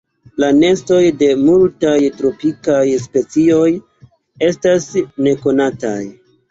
La nestoj de multaj tropikaj specioj estas nekonataj.